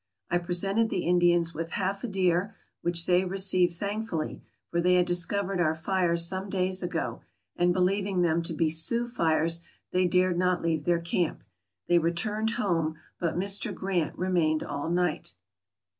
I presented the Indians with half a deer, which they received thankfully, for they had discovered our fires some days ago, and believing them to be Sioux fires, they dared not leave their camp. They returned home, but Mr. Grant remained all night.